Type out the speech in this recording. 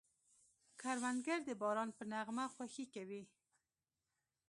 کروندګر د باران په نغمه خوښي کوي